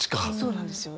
そうなんですよ。